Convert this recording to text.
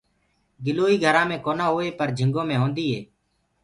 گِلوئي گهرآنٚ مي ڪونآ هوئي پر جھِنگو مي هوندي هونٚ۔